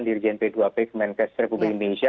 dirjen p dua p kemenkes republik indonesia